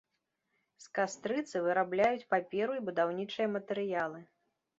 З кастрыцы вырабляюць паперу і будаўнічыя матэрыялы.